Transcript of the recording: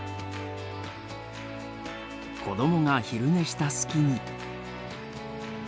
子どもが昼寝した隙に。